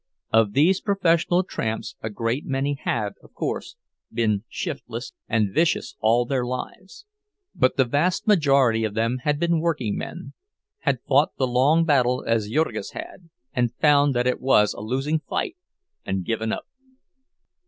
Of these professional tramps a great many had, of course, been shiftless and vicious all their lives. But the vast majority of them had been workingmen, had fought the long fight as Jurgis had, and found that it was a losing fight, and given up.